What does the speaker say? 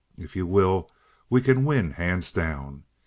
If you will, we can win hands down.